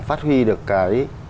phát huy được cái